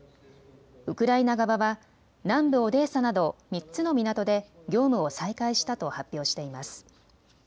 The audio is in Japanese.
ウクライナ側は南部オデーサなど３つの港で業務を再開したと発表しています。